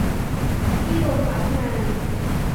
ที่โดนพักงาน